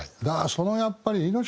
だからそのやっぱり。はあ！